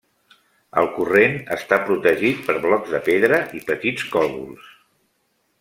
El corrent està protegit per blocs de pedra i petits còdols.